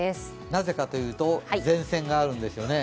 なぜかというと、前線があるんですよね。